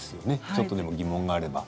ちょっとでも疑問があれば。